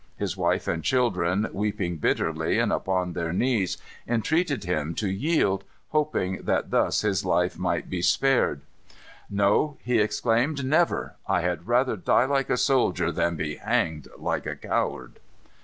His wife and children, weeping bitterly and upon their knees, entreated him to yield, hoping that thus his life might be spared. "No!" he exclaimed, "never. I had rather die like a soldier than be hanged like a coward."